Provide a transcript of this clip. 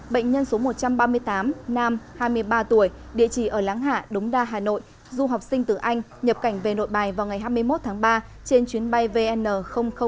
bệnh nhân số một trăm ba mươi tám nam hai mươi ba tuổi địa chỉ ở láng hạ đống đa hà nội du học sinh từ anh nhập cảnh về nội bài vào ngày hai mươi một tháng ba trên chuyến bay vn năm mươi